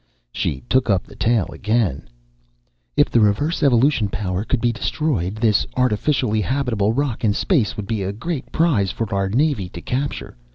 She took up the tale again: "If the reverse evolution power could be destroyed, this artificially habitable rock in space would be a great prize for our navy to capture.